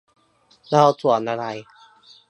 เราสวมอะไร